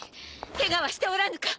ケガはしておらぬか？